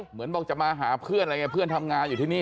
เหมือนบอกจะมาหาเพื่อนอะไรไงเพื่อนทำงานอยู่ที่นี่